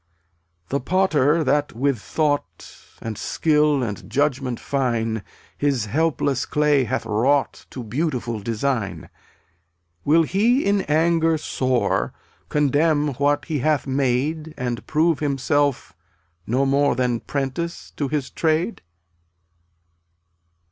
270 The Potter that with thought And skill and judgment fine His helpless clay hath wrought To beautiful design — Will He in anger sore Condemn what He hath made And prove Himself no more Than 'prentice at his trade?